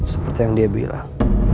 seperti yang dia bilang